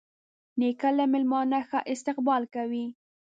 نیکه له میلمانه ښه استقبال کوي.